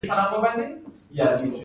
د وربشو کښت په کوم موسم کې کیږي؟